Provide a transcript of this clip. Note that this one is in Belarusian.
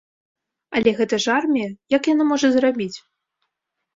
Але гэта ж армія, як яна можа зарабіць?